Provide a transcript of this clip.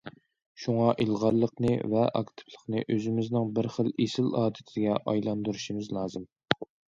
شۇڭا ئىلغارلىقنى ۋە ئاكتىپلىقنى ئۆزىمىزنىڭ بىر خىل ئېسىل ئادىتىگە ئايلاندۇرۇشىمىز لازىم.